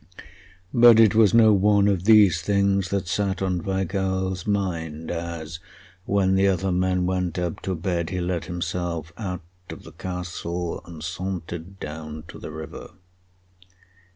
But it was no one of these things that sat on Weigall's mind as, when the other men went up to bed, he let himself out of the castle and sauntered down to the river.